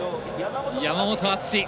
山本篤！